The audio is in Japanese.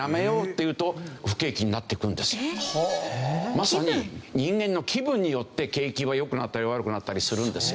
まさに人間の気分によって景気は良くなったり悪くなったりするんですよ。